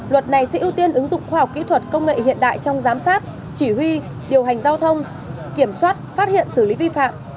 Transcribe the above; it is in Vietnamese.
luật này sẽ ưu tiên ứng dụng khoa học kỹ thuật công nghệ hiện đại trong giám sát chỉ huy điều hành giao thông kiểm soát phát hiện xử lý vi phạm